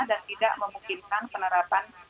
dan tidak memungkinkan penerapan